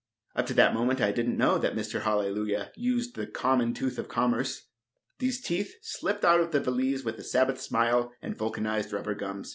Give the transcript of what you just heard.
Up to that moment I didn't know that Mr. Hallelujah used the common tooth of commerce. These teeth slipped out of the valise with a Sabbath smile and vulcanized rubber gums.